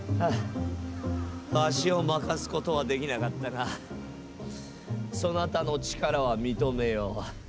わしを負かすことはできなかったがそなたの力は認めよう。